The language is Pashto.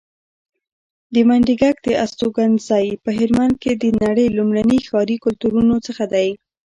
د منډیګک استوګنځی په هلمند کې د نړۍ لومړني ښاري کلتورونو څخه دی